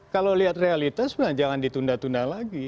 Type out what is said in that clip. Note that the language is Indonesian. kalau lihat realitas jangan ditunda tunda lagi